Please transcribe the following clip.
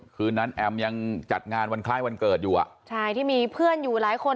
คืนนั้นแอมยังจัดงานวันคล้ายวันเกิดอยู่อ่ะใช่ที่มีเพื่อนอยู่หลายคน